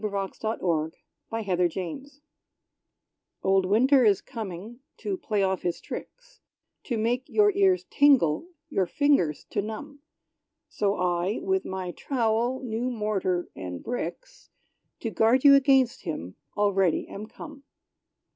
=The Stove and the Grate Setter= Old Winter is coming, to play off his tricks To make your ears tingle your fingers to numb! So I, with my trowel, new mortar and bricks, To guard you against him, already am come.